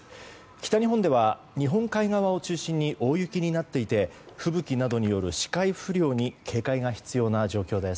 北日本では日本海側を中心に大雪になっていて吹雪などによる視界不良に警戒が必要な状況です。